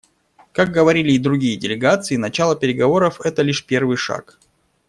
Как говорили и другие делегации, начало переговоров − это лишь первый шаг.